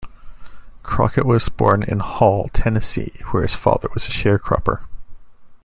Crockett was born in Hall, Tennessee, where his father was a sharecropper.